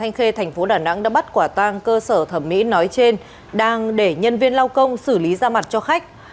công an quận thanh khê tp đà nẵng đã bắt quả tang cơ sở thẩm mỹ nói trên đang để nhân viên lao công xử lý da mặt cho khách